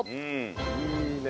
いいね！